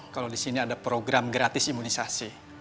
kalau disini ada program gratis imunisasi